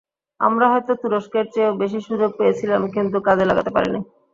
আমরা হয়তো তুরস্কের চেয়েও বেশি সুযোগ পেয়েছিলাম, কিন্তু কাজে লাগাতে পারিনি।